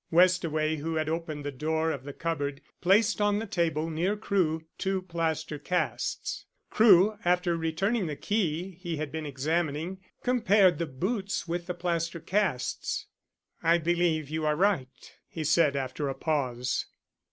Westaway, who had opened the door of the cupboard, placed on the table near Crewe two plaster casts. Crewe, after returning the key he had been examining, compared the boots with the plaster casts. "I believe you are right," he said, after a pause.